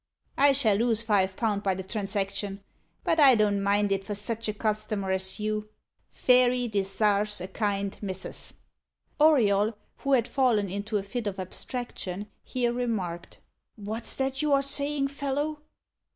I shall lose five pound by the transaction; but I don't mind it for sich a customer as you. Fairy desarves a kind missus." Auriol, who had fallen into a fit of abstraction, here remarked: "What's that you are saying, fellow?"